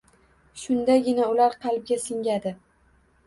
Shundagina ular qalbga singadi.